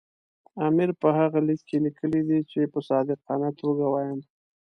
امیر په هغه لیک کې لیکلي دي چې په صادقانه توګه وایم.